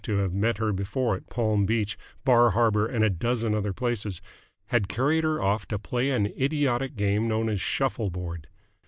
to have met her before at Palm Beach, Bar Harbor, and a dozen other places had carried her off to play an idiotic game known as shuffle board.